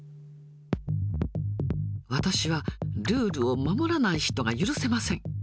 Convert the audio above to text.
私はルールを守らない人が許せません。